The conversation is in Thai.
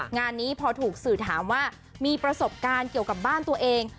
งานนี้พอถูกสื่อถามว่ามีประสบการณ์เกี่ยวกับบ้านตัวเอง